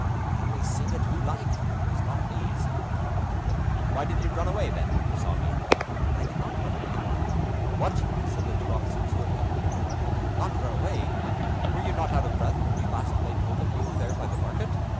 "They may sing it who like, it was not me," said the watchman. "Why did you run away, then, when you saw me?" "I did not run away." "What!" said the two officers who had accompanied the Marshal "not run away? Were you not out of breath when at last we laid hold of you there by the market?"